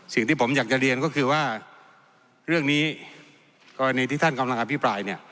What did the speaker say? สิ่งที่ผมอยากจะเรียนก็คือว่าเรื่องนี้กรณีที่ท่านกำลังอภิปรายเนี่ย